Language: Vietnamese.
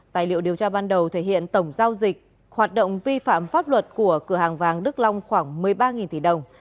tài liệu điều tra ban đầu thể hiện tổng giao dịch hoạt động vi phạm pháp luật của cửa hàng vàng đức long khoảng một mươi ba tỷ đồng